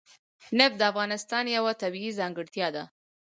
نفت د افغانستان یوه طبیعي ځانګړتیا ده.